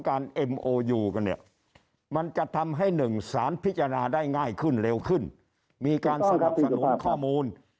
ซึ่งก่อนหน้านี้เขาจะมีสรกบเป็นหลักในการแก้ไขฝนาเรื่องร้องเรียน